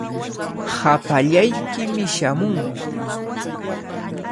Hapallaykimi shamunki.